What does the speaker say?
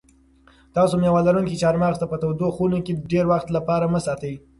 تاسو مېوه لرونکي چهارمغز په تودو خونو کې د ډېر وخت لپاره مه ساتئ.